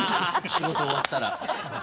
仕事終わったら。